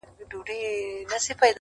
زما چيلمه چي زما پر کور راسي لنگر ووهي